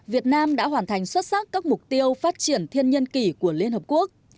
việt nam đã hoàn thành xuất sắc các mục tiêu phát triển thiên nhân kỷ của liên hợp quốc